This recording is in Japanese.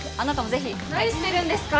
何してるんですか？